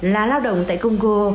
là lao động tại congo